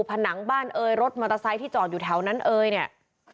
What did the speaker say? ผนังบ้านเอยรถมอเตอร์ไซค์ที่จอดอยู่แถวนั้นเอ่ยเนี่ย